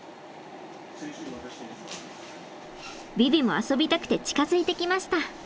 ヴィヴィも遊びたくて近づいてきました。